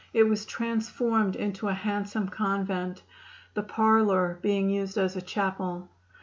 It was transformed into a handsome convent, the parlor being used as a chapel.